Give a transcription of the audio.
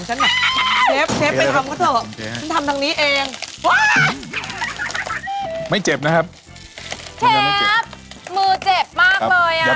ให้ผมทอดเจ็บไหม